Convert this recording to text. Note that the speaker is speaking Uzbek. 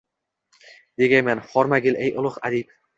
Degayman: “Hormagil, ey ulug’ adib!!!”